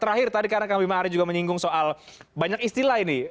terakhir tadi karena kang bima ari juga menyinggung soal banyak istilah ini